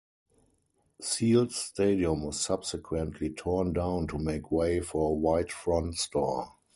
Seals Stadium was subsequently torn down to make way for a White Front store.